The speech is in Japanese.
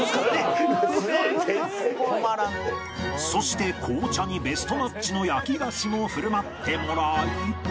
そして紅茶にベストマッチの焼き菓子も振る舞ってもらい